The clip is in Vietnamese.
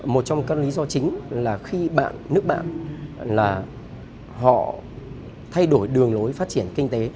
một trong các lý do chính là khi nước bạn thay đổi đường lối phát triển kinh tế